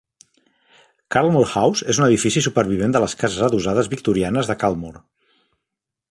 Caldmore House és un edifici supervivent de les cases adossades victorianes de Caldmore.